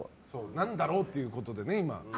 何だろうということでね、今。